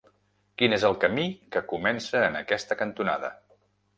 Quin és el camí que comença en aquesta cantonada?